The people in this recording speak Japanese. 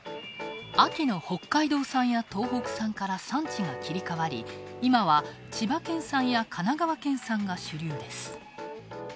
秋の北海道産や東北産から産地が切り替わり、今は千葉県産や神奈川県産が主流です。